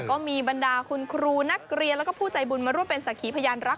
ก็มีบรรดาคุณครูนักเรียนแล้วก็ผู้ใจบุญมาร่วมเป็นสักขีพยานรัก